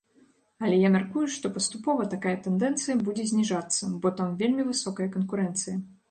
Але, я мяркую, што паступова такая тэндэнцыя будзе зніжацца, бо там вельмі высокая канкурэнцыя.